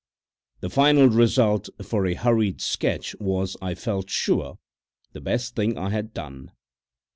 The final result, for a hurried sketch, was, I felt sure, the best thing I had done.